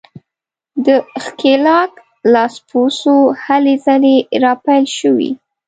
د ښکېلاک لاسپوڅو هلې ځلې راپیل شوې.